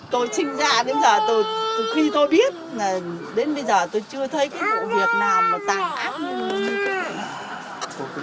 tôi sinh ra đến giờ tôi từ khi tôi biết là đến bây giờ tôi chưa thấy cái vụ việc nào mà tàn ác như thế này